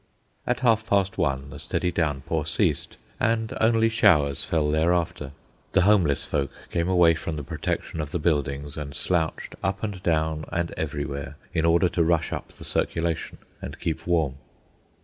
At half past one the steady downpour ceased, and only showers fell thereafter. The homeless folk came away from the protection of the buildings, and slouched up and down and everywhere, in order to rush up the circulation and keep warm.